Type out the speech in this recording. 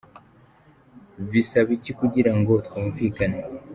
bisaba iki kugira ngo twumvikane